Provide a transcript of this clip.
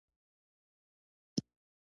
آیا دوی د توتانو باغونه نلري؟